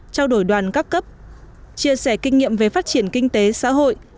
trao đổi đoàn các cấp chia sẻ kinh nghiệm về phát triển kinh tế xã hội